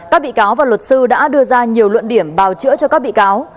các bị cáo và luật sư đã đưa ra nhiều luận điểm bào chữa cho các bị cáo